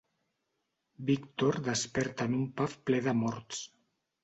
Víctor desperta en un pub ple de morts.